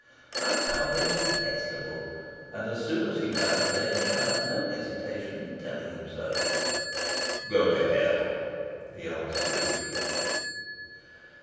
I found him detestable, and as soon as he was out of danger I had no hesitation in telling him so. "Go to hell," he answered briefly.